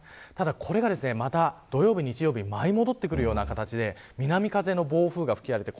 これが土曜日、日曜日に舞い戻ってくるような形で南風の暴風が吹き荒れます。